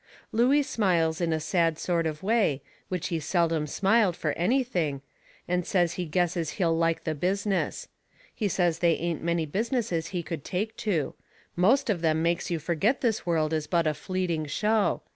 Looey smiles in a sad sort of a way, which he seldom smiled fur anything, and says he guesses he'll like the business. He says they ain't many businesses he could take to. Most of them makes you forget this world is but a fleeting show.